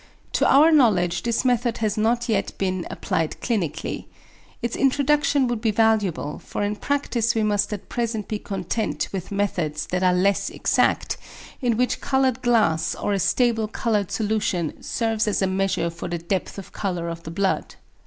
To our knowledge this method has not yet been applied clinically. Its introduction would be valuable, for in practice we must at present be content with methods that are less exact, in which coloured glass or a stable coloured solution serves as a measure for the depth of colour of the blood.